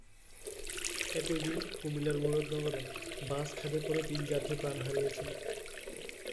একই দিন কুমিল্লার মুরাদনগরে বাস খাদে পড়ে তিন যাত্রী প্রাণ হারিয়েছেন।